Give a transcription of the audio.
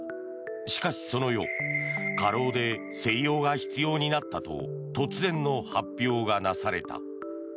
しかし、その夜過労で静養が必要になったと突然の発表がなされた。